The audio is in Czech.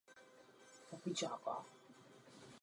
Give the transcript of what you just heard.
Výtrusy dozrávají od zimy do jara.